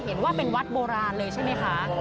เห็นว่าเป็นวัดโบราณเลยใช่ไหมคะ